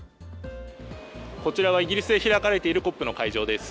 こちらはイギリスで開かれているＣＯＰの会場です。